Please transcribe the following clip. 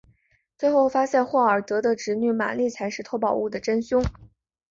最后发现霍尔德的侄女玛丽才是偷宝物的真凶。